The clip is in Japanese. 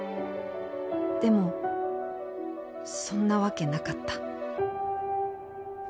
でもそんなわけなかった。